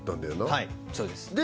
はいそうですで